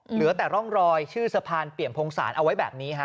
เหลือแต่ร่องรอยชื่อสะพานเปี่ยมพงศาลเอาไว้แบบนี้ฮะ